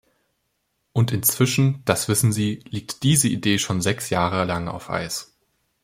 Und inzwischen das wissen Sie liegt diese Idee schon sechs Jahre lang auf Eis.